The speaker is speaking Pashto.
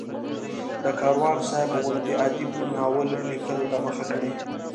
د کاروان صاحب غوندې ادیب ناول لیکلو ته مخه کړي.